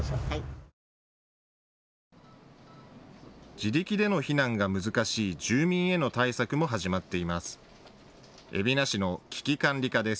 自力での避難が難しい住民への対策も始まっています。